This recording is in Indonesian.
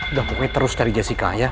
udah bukannya terus cari jessica ya